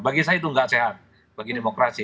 bagi saya itu nggak sehat bagi demokrasi